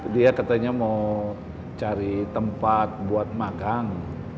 dia katanya mau cari tempat buat magang